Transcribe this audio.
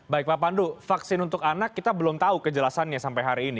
baik pak pandu vaksin untuk anak kita belum tahu kejelasannya sampai hari ini